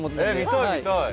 見たい見たい。